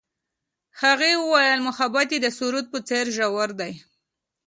هغې وویل محبت یې د سرود په څېر ژور دی.